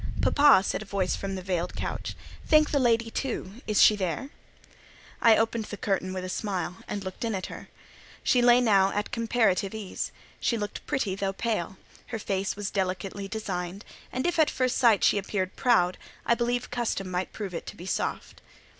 "Papa," said a voice from the veiled couch, "thank the lady, too; is she there?" I opened the curtain with a smile, and looked in at her. She lay now at comparative ease; she looked pretty, though pale; her face was delicately designed, and if at first sight it appeared proud, I believe custom might prove it to be soft.